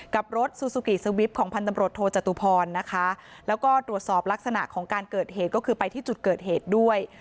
กับรถซูซูกิสวิปของพันธบรวจโทจตุพรนะคะแล้วก็ตรวจสอบลักษณะของการเกิดเหตุก็คือไปที่จุดเกิดเหตุด้วย